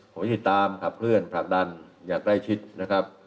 ผมติดตามขับเคลื่อนผลักดันอย่างใกล้ชิดนะครับ